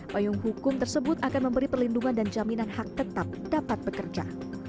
payung hukum tersebut akan memberi perlindungan dan jaminan hak tetap dapat bekerja